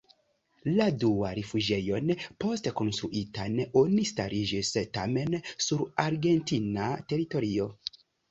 La duan rifuĝejon, poste konstruitan, oni starigis tamen sur argentina teritorio.